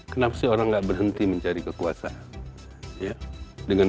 kenapa sih orang tidak berhenti mencari kekuasaan